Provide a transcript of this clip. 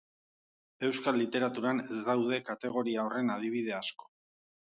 Euskal literaturan ez daude kategoria horren adibide asko.